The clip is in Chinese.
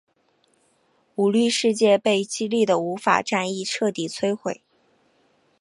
舞律世界被激烈的舞法战役彻底摧毁。